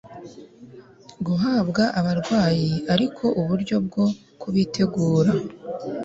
guhabwa abarwayi ariko uburyo bwo kubitegura